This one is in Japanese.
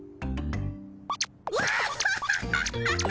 ワハハハハハ。